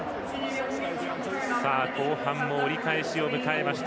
後半も折り返しを迎えました